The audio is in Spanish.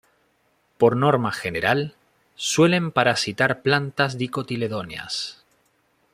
Por norma general, suelen parasitar plantas dicotiledóneas.